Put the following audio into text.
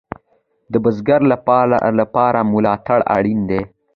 د بزګر لپاره ملاتړ اړین دی